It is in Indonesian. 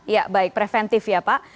ya baik preventif ya pak